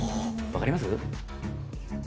わかります！